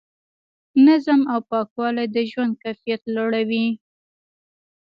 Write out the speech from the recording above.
نظم او پاکوالی د ژوند کیفیت لوړوي.